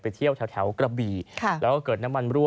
ไปเที่ยวแถวแถวกระบี่ครับแล้วก็เกิดน้ำมันรั่ว